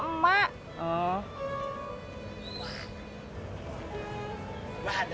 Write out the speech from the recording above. siapa kok ga mau ikut